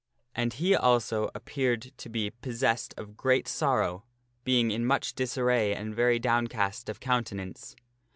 And he also appeared to be possessed of great sorrow, being in much disarray and very downcast of countenance.